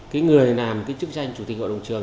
cái người làm cái chức danh chủ tịch hội đồng trường